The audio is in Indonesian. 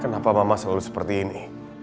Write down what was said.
kenapa mama selalu seperti ini